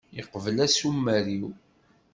Yeqbel asumer-iw.